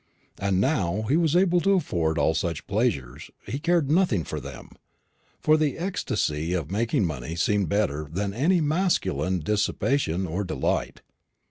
And now he was able to afford all such pleasures he cared nothing for them; for the ecstasy of making money seemed better than any masculine dissipation or delight.